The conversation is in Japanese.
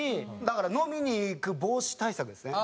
だから飲みに行く防止対策ですね。